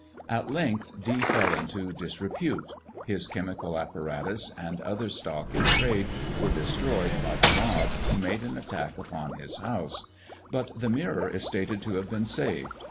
At length, Dee fell into disrepute; his chemical apparatus, and other stock in trade, were destroyed by the mob, who made an attack upon his house; but the mirror is stated to have been saved.